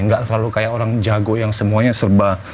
gak selalu kayak orang jago yang semuanya serba